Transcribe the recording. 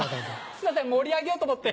すいません盛り上げようと思って。